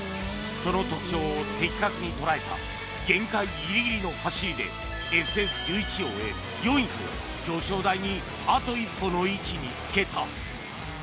その特徴を的確に捉えた限界ギリギリの走りでＳＳ１１を終え４位と表彰台にあと一歩の位置につけた。